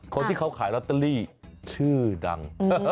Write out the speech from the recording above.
คนที่เขาขายลอตเตอรี่ชื่อดัง